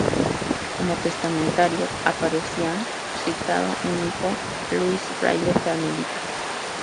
Como testamentario aparecía citado un hijo, Luis, fraile carmelita.